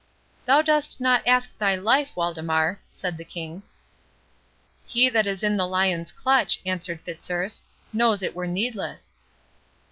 "Thou dost not ask thy life, Waldemar," said the King. "He that is in the lion's clutch," answered Fitzurse, "knows it were needless."